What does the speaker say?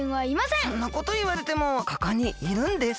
そんなこといわれてもここにいるんです。